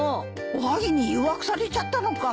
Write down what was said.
おはぎに誘惑されちゃったのか。